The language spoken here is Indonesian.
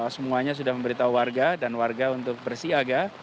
semuanya sudah memberitahu warga dan warga untuk bersih agar